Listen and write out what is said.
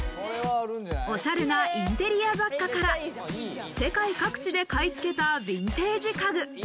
おしゃれなインテリア雑貨から、世界各地で買い付けたヴィンテージ家具。